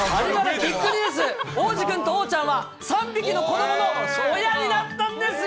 ビッグニュース、王子くんと桜ちゃんは、３匹の子どもの親になったんですよ。